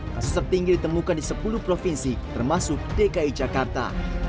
kasus tertinggi ditemukan di sepuluh provinsi termasuk dki jakarta